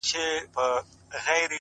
په تا هيـــــڅ خــــبر نـــه يــــم،